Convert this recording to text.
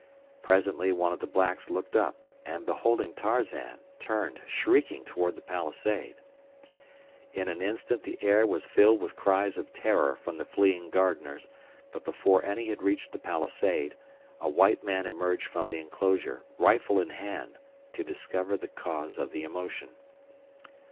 Presently one of the blacks looked up, and beholding Tarzan, turned, shrieking, toward the palisade. In an instant the air was filled with cries of terror from the fleeing gardeners, but before any had reached the palisade a white man emerged from the enclosure, rifle in hand, to discover the cause of the commotion.